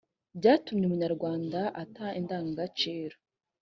byatumye umunyarwanda ata indangagaciro